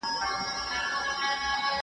زه به اوږده موده ځواب ليکلی وم!.